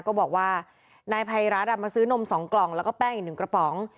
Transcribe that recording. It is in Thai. ก็บอกว่านายภัยรัฐมาซื้อนม๒กล่องแล้วก็แป้งอีก๑กระป๋อง